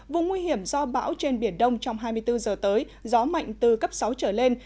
vùng nguy hiểm do bão trên biển đông trong hai mươi bốn giờ tới gió mạnh từ cấp sáu trở lên